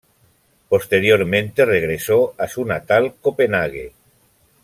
Posteriormente regresó a su natal Copenhague.